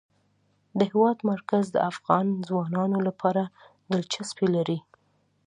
د هېواد مرکز د افغان ځوانانو لپاره دلچسپي لري.